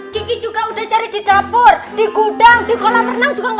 kiki juga udah cari di dapur di gudang di kolam renang juga gak ada bu